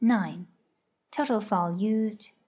Total fall used.